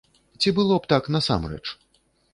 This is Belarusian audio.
Ці было б так насамрэч?